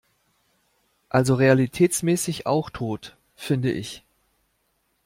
Also realitätsmäßig auch tot - finde ich.